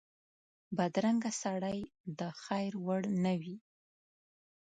بدرنګه سړی د خیر وړ نه وي